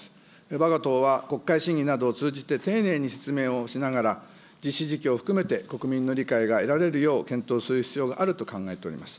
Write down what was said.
わが党は、国会審議など通じて丁寧に説明をしながら、実施時期を含めて国民の理解が得られるよう検討する必要があると考えております。